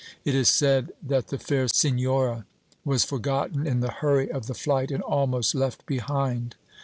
It is said that the fair Senora was forgotten in the hurry of the flight and almost left behind!